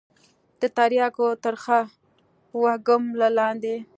د ترياكو ترخه وږم له لاندې.